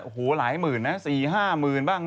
โอ้โหหลายหมื่นนะ๔๕หมื่นบ้าง